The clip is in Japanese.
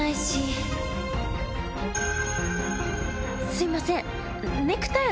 すいません。